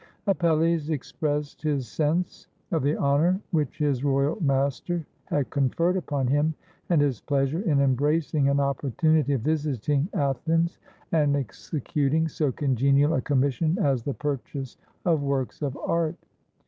Apelles expressed his sense of the honor which his royal master had conferred upon him, and his pleasure in embracing an opportunity of visiting Athens and 198 IN THE STUDIO OF APELLES executing so congenial a commission as the purchase of works of art.